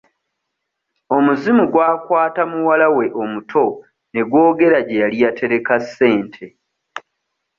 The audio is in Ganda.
Omuzimu gwakata muwalawe omuto ne gw'ogera gye yali yatereka ssente.